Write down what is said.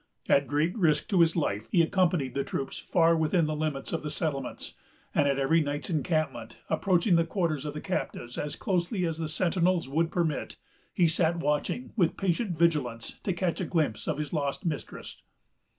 At great risk of his life, he accompanied the troops far within the limits of the settlements; and, at every night's encampment, approaching the quarters of the captives as closely as the sentinels would permit, he sat watching, with patient vigilance, to catch a glimpse of his lost mistress.